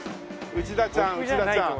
内田ちゃん内田ちゃん。